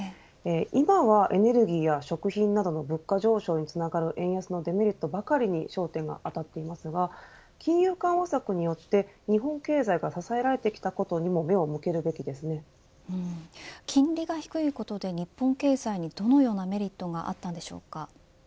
今はエネルギーや食費などの上昇につながる円安のデメリットばかりに焦点が当たっていますが金融対策によって日本経済が支えられてきたことにも金利が低いことで日本経済にどのようなメリットがあったんでしょうか。